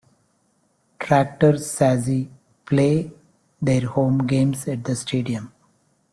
Tractor Sazi play their home games at the stadium.